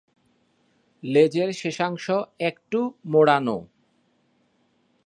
লেজের শেষাংশ একটু মোড়ানো।